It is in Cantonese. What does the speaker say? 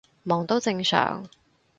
忙都正常